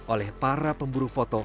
oleh para pemburu foto